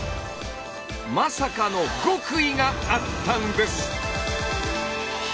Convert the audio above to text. まさかの「極意」があったんです！